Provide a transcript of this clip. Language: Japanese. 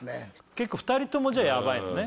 結構２人ともじゃヤバいのね